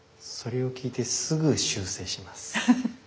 それを聞いてすぐ修正します。